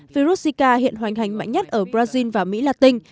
virus sica hiện hoành hành mạnh nhất ở brazil và mỹ latin